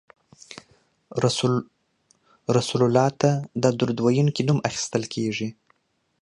رسول الله ته د درود ویونکي نوم اخیستل کیږي